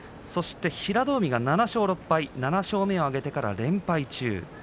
平戸海が７勝６敗７勝目を挙げてから連敗中。